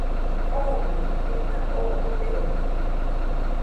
Ogorimona ogobe ono.